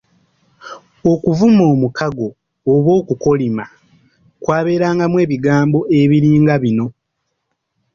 Okuvuma omukago oba okukolima kwabeerangamu ebigambo ebiringa bino.